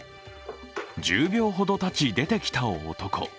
１０秒ほどたち、出てきた男。